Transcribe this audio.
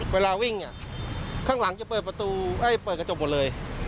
เวลาวิ่งข้างหลังจะเปิดประตูเปิดกระจกหมดเลย